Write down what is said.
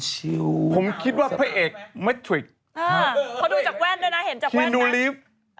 จากธนาคารกรุงเทพฯ